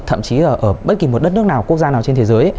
thậm chí ở bất kỳ một đất nước nào quốc gia nào trên thế giới